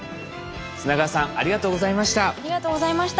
砂川さんありがとうございました。